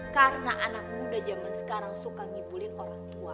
karena anak muda jaman sekarang suka ngibulin orang tua